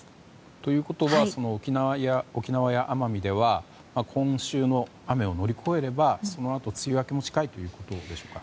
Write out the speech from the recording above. ということは沖縄や奄美では今週の雨を乗り越えればそのあと梅雨明けも近いんでしょか。